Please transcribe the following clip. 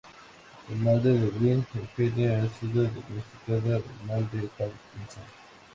La madre de Brin, Eugenia ha sido diagnosticada del mal de Parkinson.